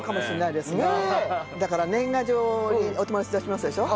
だから年賀状お友達出しますでしょ？